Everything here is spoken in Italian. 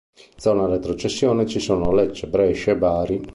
In zona retrocessione ci sono Lecce, Brescia e Bari.